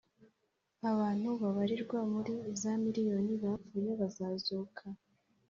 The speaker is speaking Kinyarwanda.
Abantu babarirwa muri za miriyoni bapfuye bazazuka